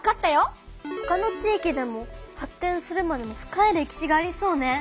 ほかの地域でも発展するまでの深い歴史がありそうね！